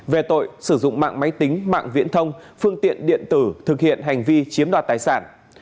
hãy tính mạng viễn thông phương tiện điện tử thực hiện hành vi chiếm đoạt tài sản